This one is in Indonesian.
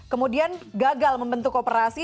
kemudian gagal membentuk kooperasi